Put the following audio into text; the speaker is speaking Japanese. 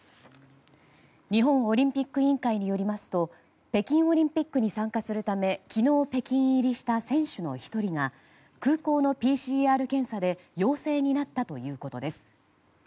日本オリンピック委員会によりますと北京オリンピックに参加するため昨日、北京入りした選手の１人が空港のＰＣＲ検査で陽性になったということです。